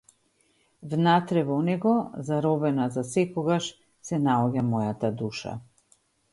Внатре во него, заробена засекогаш, се наоѓа мојата душа.